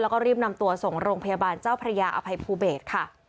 แล้วก็รีบนำตัวส่งโรงพยาบาลเจ้าพระยาอภัยภูเบศค่ะ